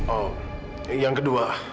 oh yang kedua